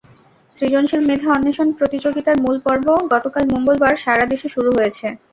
সৃজনশীল মেধা অন্বেষণ প্রতিযোগিতার মূল পর্ব গতকাল মঙ্গলবার সারা দেশে শুরু হয়েছে।